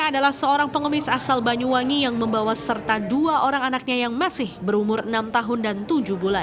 adalah seorang pengemis asal banyuwangi yang membawa serta dua orang anaknya yang masih berumur enam tahun dan tujuh bulan